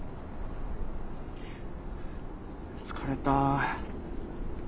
疲れた。